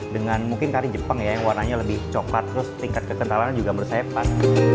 dengan mungkin kari jepang ya yang warnanya lebih coklat terus tingkat kekentalannya juga menurut saya pas